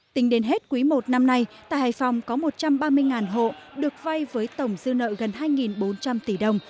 tính đến hết quý i năm nay tại hải phòng có một trăm ba mươi hộ được vay với tổng dư nợ gần hai bốn trăm linh tỷ đồng